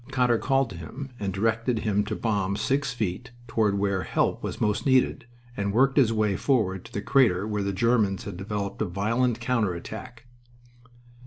Cotter called to him and directed him to bomb six feet toward where help was most needed, and worked his way forward to the crater where the Germans had developed a violent counter attack.